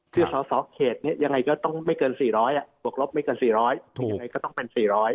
คือสอสอเขตเนี่ยยังไงก็ต้องไม่เกิน๔๐๐บวกลบไม่เกิน๔๐๐ยังไงก็ต้องเป็น๔๐๐